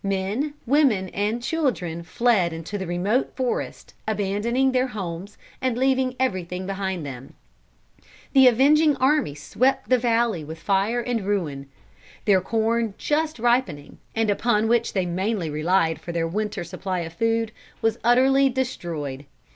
Men, women and children fled into the remote forest, abandoning their homes and leaving everything behind them. The avenging army swept the valley with fire and ruin. Their corn just ripening, and upon which they mainly relied for their winter supply of food, was utterly destroyed.